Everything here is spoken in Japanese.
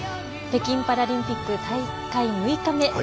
北京パラリンピック大会６日目。